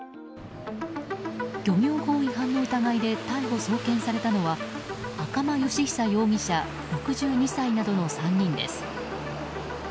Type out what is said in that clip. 漁業法違反の疑いで逮捕・送検されたのは赤間善久容疑者、６２歳などの３人です。